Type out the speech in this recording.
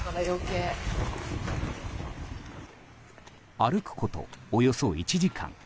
歩くことおよそ１時間。